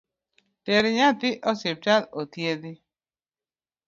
Ter nyathi osiptal othiedhi